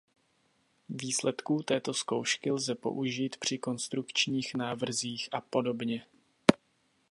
Výsledků této zkoušky lze použít při konstrukčních návrzích apod.